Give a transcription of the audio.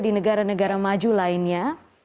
di negara negara maju lainnya